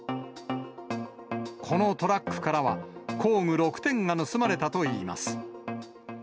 このトラックからは、工具６点が盗まれたといいます。